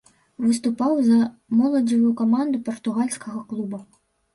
Выступаў за моладзевую каманду партугальскага клуба.